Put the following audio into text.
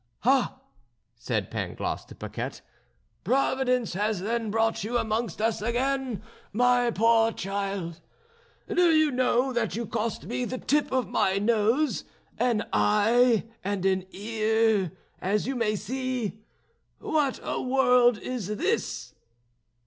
"Ha!" said Pangloss to Paquette, "Providence has then brought you amongst us again, my poor child! Do you know that you cost me the tip of my nose, an eye, and an ear, as you may see? What a world is this!"